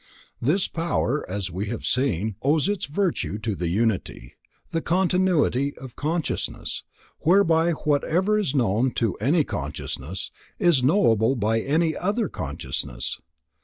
This power, as we have seen, owes its virtue to the unity, the continuity, of consciousness, whereby whatever is known to any consciousness, is knowable by any other consciousness.